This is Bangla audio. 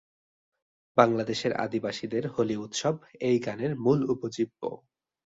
বাংলাদেশের আদিবাসীদের হোলি উৎসব এই গানের মূল উপজীব্য।